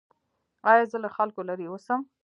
ایا زه له خلکو لرې اوسم؟